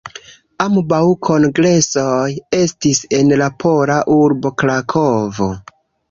Ambaŭ kongresoj estis en la pola urbo Krakovo.